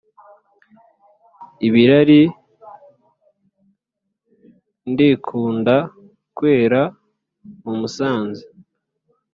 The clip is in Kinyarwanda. ibirari nbikunda kwera mu musanze